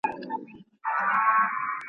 جرګه د پښتنو په کلتور کې د حل لار ده.